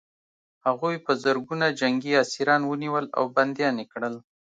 هغوی په زرګونه جنګي اسیران ونیول او بندیان یې کړل